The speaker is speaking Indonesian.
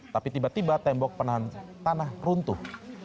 tapi tiba tiba tembok penahan tanah runtuh